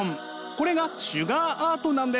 これがシュガーアートなんです。